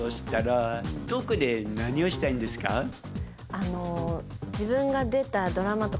あの。